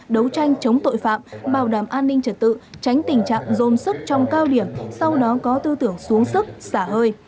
đấu tranh chống tội phạm bảo đảm an ninh trật tự tránh tình trạng dôn sức trong cao điểm sau đó có tư tưởng xuống sức xả hơi